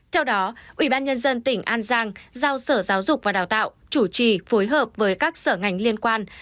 theo đó ubnd tỉnh an giang giao sở giáo dục và đào tạo chủ trì phối hợp với các sở ngành liên quan